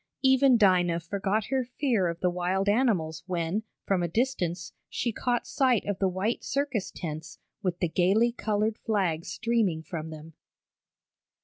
Even Dinah forgot her fear of the wild animals when from a distance she caught sight of the white circus tents with the gaily colored flags streaming from them.